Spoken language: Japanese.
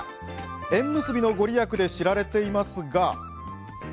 縁結びのご利益で知られていますが。